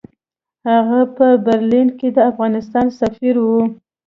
هغه په برلین کې د افغانستان سفیر وو.